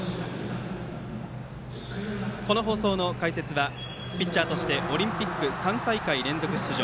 この放送の解説はピッチャーとしてオリンピック３大会連続出場